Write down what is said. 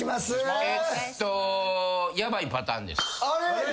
あれ？